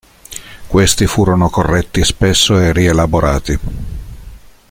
Questi furono corretti e spesso rielaborati.